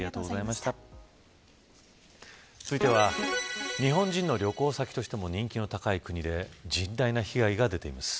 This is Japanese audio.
続いては日本人の旅行先としても人気の高い国で甚大な被害が出ています。